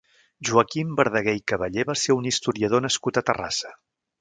Joaquim Verdaguer i Caballé va ser un historiador nascut a Terrassa.